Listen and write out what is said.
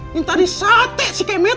minta disate si kemet